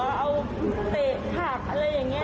เอาเตะผักอะไรอย่างนี้